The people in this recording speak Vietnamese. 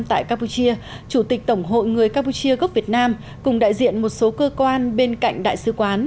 tại campuchia chủ tịch tổng hội người campuchia gốc việt nam cùng đại diện một số cơ quan bên cạnh đại sứ quán